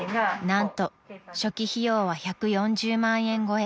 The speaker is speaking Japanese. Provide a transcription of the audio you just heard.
［何と初期費用は１４０万円超え］